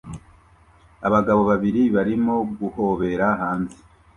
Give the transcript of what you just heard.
Abagabo babiri barimo guhobera hanze